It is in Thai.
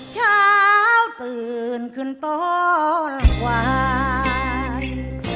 เช้าตื่นขึ้นตอนควาย